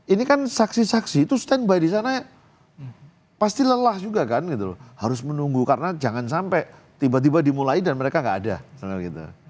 ini kan saksi saksi itu standby di sana pasti lelah juga kan gitu loh harus menunggu karena jangan sampai tiba tiba dimulai dan mereka nggak ada misalnya gitu